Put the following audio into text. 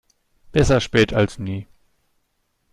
Besser spät als nie.